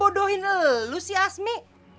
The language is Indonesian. bambu bodohin lu si asmi